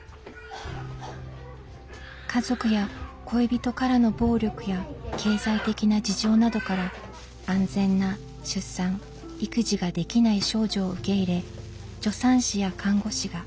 家族や恋人からの暴力や経済的な事情などから安全な出産・育児ができない少女を受け入れ助産師や看護師が２４時間ケアに当たります。